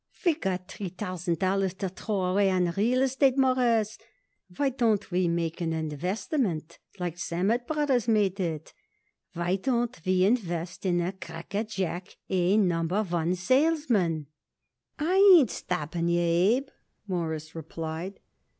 We got three thousand dollars to throw away on real estate, Mawruss; why don't we make an investment like Sammet Brothers made it? Why don't we invest in a crackerjack, A number one salesman?" "I ain't stopping you, Abe," Morris replied.